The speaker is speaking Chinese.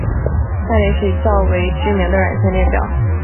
下列是较为知名的软件列表。